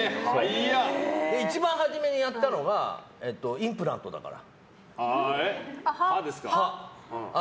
一番初めにやったのがインプラントだから。